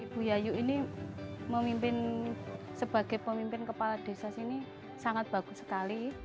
ibu yayu ini sebagai pemimpin kepala desa ini sangat bagus sekali